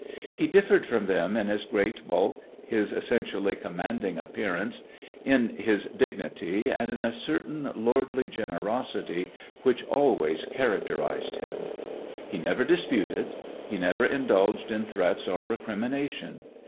He differed from them in his great bulk, his essentially commanding appearance, in his dignity, and in a certain lordly generosity which always characterized him. He never disputed; he never indulged in threats or recrimination.